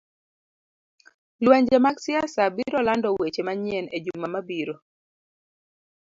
lwenje mag siasa biro lando weche manyien e juma mabiro.